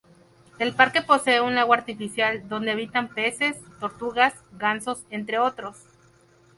El parque posee un lago artificial, donde habitan peces, tortugas, gansos, entre otros.